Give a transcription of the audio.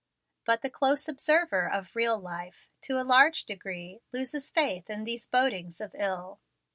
But the close observer of real life, to a large degree, loses faith in these bodings of ill.